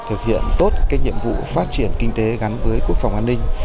thực hiện tốt nhiệm vụ phát triển kinh tế gắn với quốc phòng an ninh